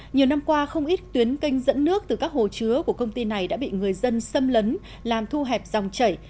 nhiều năm qua không ít tuyến canh dẫn nước từ các hồ chứa của công ty này đã bị người dân xâm lấn làm thu hẹp dòng chảy